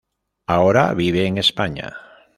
Ahora vive en España.